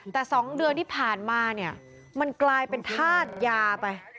แต่๒เดือนที่ผ่านมาเนี่ยมันกลายเป็นธาตุยาไป